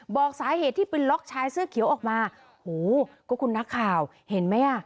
บอกสาเหตุที่ไปล็อกชายเสื้อเขียวออกมาโหก็คุณนักข่าวเห็นไหมอ่ะ